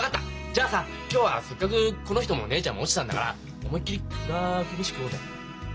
じゃあさ今日はせっかくこの人も姉ちゃんも落ちたんだから思いっ切り暗く飯食おうぜ。